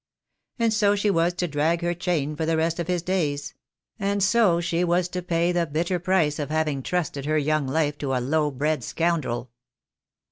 And so she was to drag her chain for the rest of his days; and so she was to pay the bitter price of having trusted her young life to a low bred scoundrel."